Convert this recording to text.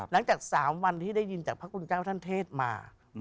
หลังจาก๓วันที่ได้ยินจากพระคุณเจ้าท่านเทศมา